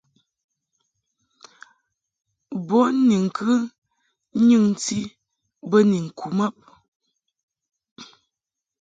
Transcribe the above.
Bo ni ŋkɨ nyɨŋti bə ni ŋku mab.